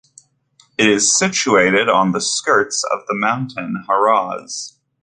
It is situated on the skirts of the mountain Haraz.